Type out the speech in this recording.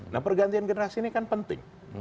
nah pergantian generasi ini kan penting